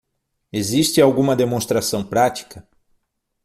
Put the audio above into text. Existe alguma demonstração prática?